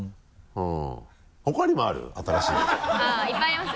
うん。